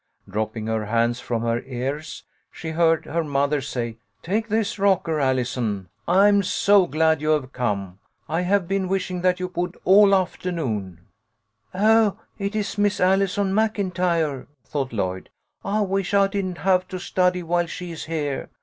Dropping her hands from her ears, she heard her mother say : "Take this rocker, Allison. I'm so glad you have "THE PLAN WORKED LIKE A CHARM. HOME LESSONS. 131 come. I have been wishing that you would all afternoon." "Oh, it is Miss Allison Maclntyre !" thought Lloyd. " I wish I didn't have to study while she is heah.